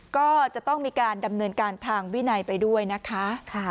ก็จะต้องมีการดำเนินการทางวินัยไปด้วยนะคะ